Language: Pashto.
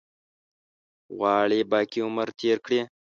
غواړي باقي عمر تېر کړي.